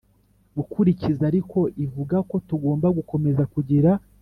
Gukurikiza ariko ivuga ko tugomba gukomeza kugira